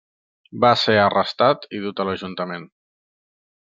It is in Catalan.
Va ser arrestat i dut a l'ajuntament.